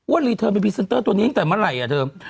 อ้วนลี่เธอเป็นตัวนี้ตั้งแต่เมื่อไหร่อ่ะเธอ